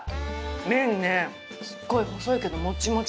麺ね、すごい細いけど、もちもち。